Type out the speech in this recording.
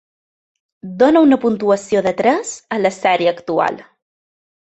Dona una puntuació de tres a la sèrie actual.